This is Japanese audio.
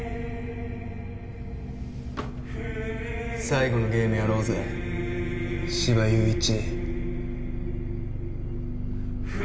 最後のゲームやろうぜ斯波友一。